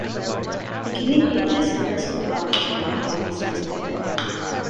The community lies to the west of Baltimore along the city's border.